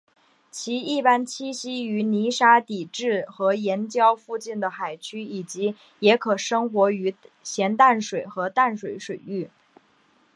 其一般栖息于泥沙底质和岩礁附近的海区以及也可生活于咸淡水或淡水水域。